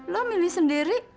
lo milih sendiri